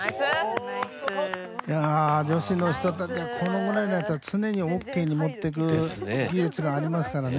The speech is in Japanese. いや女子の人たちはこのぐらいになると常にオッケーに持ってく技術がありますからね。